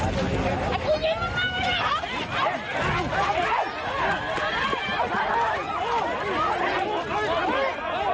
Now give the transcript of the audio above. มีรักษาเนอะลูกกูตายแล้ว